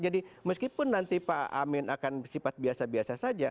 jadi meskipun nanti pak amin akan sifat biasa biasa saja